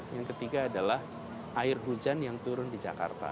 yang ketiga adalah air hujan yang turun di jakarta